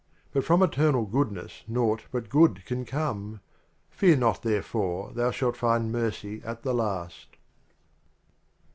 But from Eternal Goodness naught but Good can come; Fear not, therefore, thou shalt find Mercy at the Last.